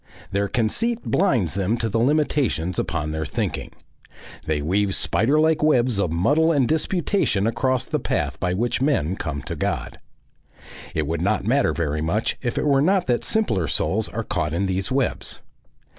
Their conceit blinds them to the limitations upon their thinking. They weave spider like webs of muddle and disputation across the path by which men come to God. It would not matter very much if it were not that simpler souls are caught in these webs.